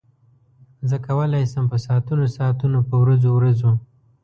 زه کولای شم په ساعتونو ساعتونو په ورځو ورځو.